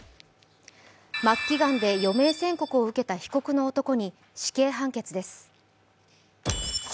末期がんで余命宣告を受けた被告の男に死刑判決です。